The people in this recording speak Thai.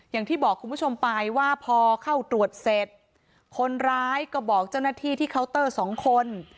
อย่างที่บอกคุณผู้ชมไปว่าพอเข้าตรวจเสร็จคนร้ายก็บอกเจ้าหน้าที่ที่เคาน์เตอร์สองคน